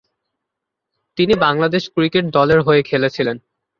তিনি বাংলাদেশ ক্রিকেট দলের হয়ে খেলেছিলেন।